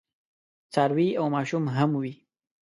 څاروي او ماشوم هم وي.